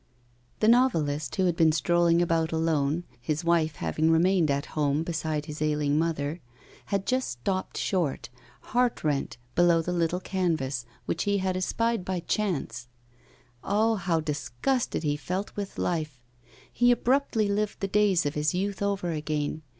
The novelist, who had been strolling about alone his wife having remained at home beside his ailing mother had just stopped short, heart rent, below the little canvas, which he had espied by chance. Ah! how disgusted he felt with life! He abruptly lived the days of his youth over again.